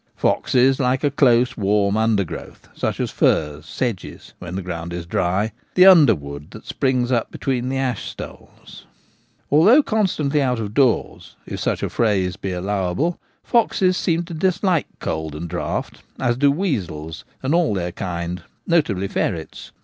Foxes like a close warm undergrowth, such as furze, sedges when the ground is dry, the underwood that springs up between the ash stoles/ Although constantly out of doors — if such a phrase be allowable — foxes seem to dislike cold and draught, as do weasels and all their kind, notably ferrets.